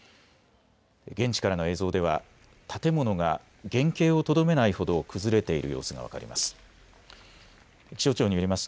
現地からの映像では建物が原形をとどめないほど崩れている様子が分かります。